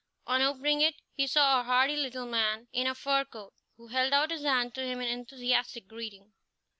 On opening it, he saw a hardy little man in a fur coat, who held out his hand to him in enthusiastic greeting.